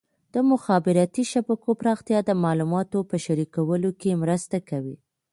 د مخابراتي شبکو پراختیا د معلوماتو په شریکولو کې مرسته کوي.